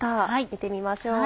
見てみましょう。